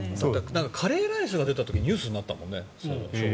カレーライスが出た時ニュースになったもんね。